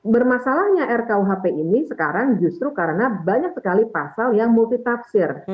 bermasalahnya rkuhp ini sekarang justru karena banyak sekali pasal yang multitafsir